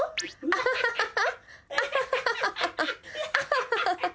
アハハハハハ。